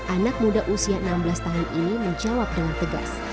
anak muda usia enam belas tahun ini menjawab dengan tegas